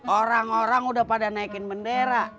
orang orang udah pada naikin bendera